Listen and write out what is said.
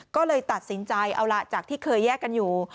ก็เลยตัดสินใจเอาล่ะจากที่เคยแยกกันอยู่